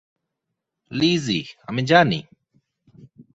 Lessee, আমি জানি।